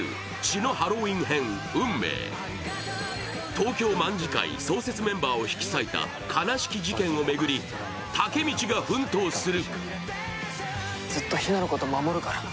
東京卍會創設メンバーを引き裂いた悲しき事件を巡り、タケミチが奮闘する。